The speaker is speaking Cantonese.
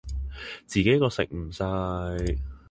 自己一個食唔晒